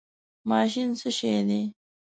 ماشین څه شی دی؟